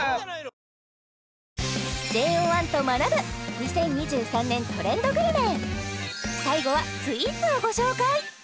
２０２３年トレンドグルメ最後はスイーツをご紹介